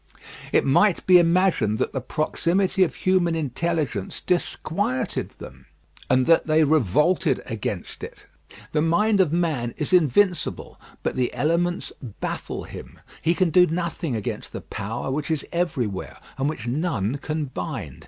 It might be imagined that the proximity of human intelligence disquieted them, and that they revolted against it. The mind of man is invincible, but the elements baffle him. He can do nothing against the power which is everywhere, and which none can bind.